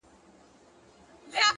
وخت د ژمنو ازموینه کوي؛